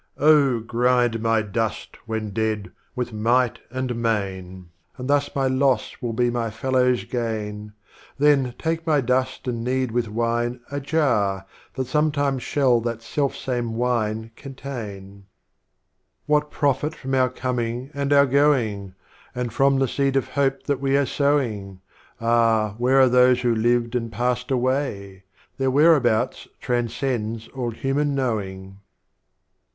VI. Oh grind My dust when dead with Might and Main, And thus my Loss will be my Fellow's Gain, Then take my Dust and knead with Wino a Jar, That sometime shall that self same Wine contain. StropTies of Omar Khayyam. 69 VII. What Profit from our Coming and our Going? Aod from the Seed of Hope that we are sowing? — Ah, Where are Those who lived and passed away? Theirwhereabouts transcends all Human Knowing.